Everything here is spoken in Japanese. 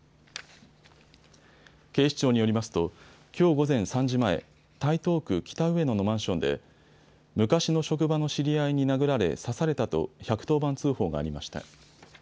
警視庁によりますときょう午前３時前、台東区北上野のマンションで昔の職場の知り合いに殴られ刺されたと１１０番通報がありました。